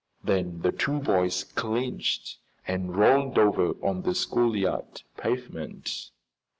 Then the two boys clinched and rolled over on the schoolyard pavement.